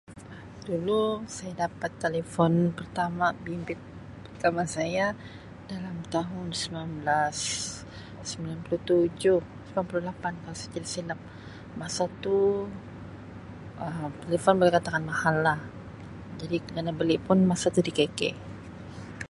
Dulu saya dapat telefon pertama bimbit pertama saya dalam tahun sembilan belas sembilan puluh tujuh sembilan puluh lapan kalau saya tidak silap masa tu Um telefon boleh dikatakan mahal lah jadi kena beli pun masa tu di KK.